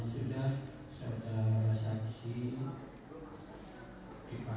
saudara kami punya selalu kewa